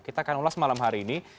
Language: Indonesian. kita akan ulas malam hari ini